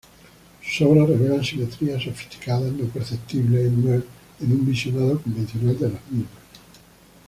Sus obras revelan simetrías sofisticadas no perceptibles en un visionado convencional de las mismas.